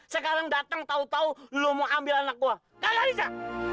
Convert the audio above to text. sekarang datang tahu tahu lo mau ambil anak gue enggak bisa